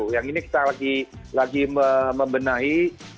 yang ini kita lagi membenahi